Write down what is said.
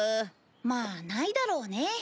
まあないだろうね。